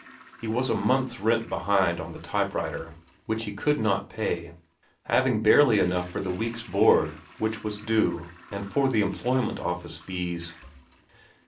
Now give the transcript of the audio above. He was a month's rent behind on the typewriter, which he could not pay, having barely enough for the week's board which was due and for the employment office fees.